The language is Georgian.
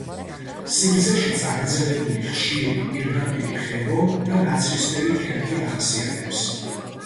სიგრძეში წაგრძელებული ხშირი, პირდაპირი ღერო და ნაცრისფერი ქერქი ახასიათებს.